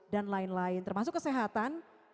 dan lain lain termasuk kesehatan